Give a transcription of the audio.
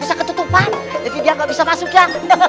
bisa ketutupan tapi dia nggak bisa masuk ya